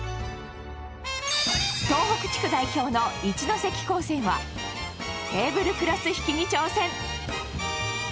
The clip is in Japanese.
東北地区代表の一関高専はテーブルクロスひきに挑戦。